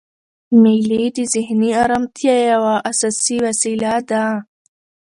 مېلې د ذهني ارامتیا یوه اساسي وسیله ده.